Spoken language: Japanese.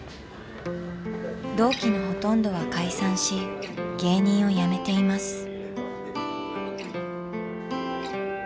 同期のほとんどは解散し芸人をやめています。